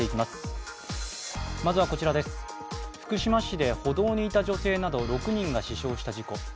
福島市で歩道にいた女性など、６人が死傷した事故。